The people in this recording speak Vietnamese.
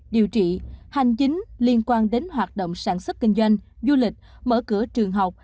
điều trị hành chính liên quan đến hoạt động sản xuất kinh doanh du lịch mở cửa trường học